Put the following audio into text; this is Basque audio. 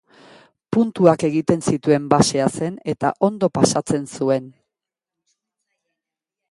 Puntuak egiten zituen basea zen eta ondo pasatzen zuen.